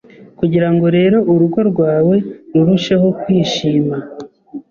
kugira ngo rero urugo rwawe rurusheho kwishima